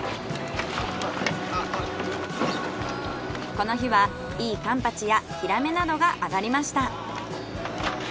この日はいいカンパチやヒラメなどが揚がりました。